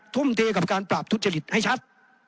ทุ่มเทกับการปราบทุจริตให้ชัด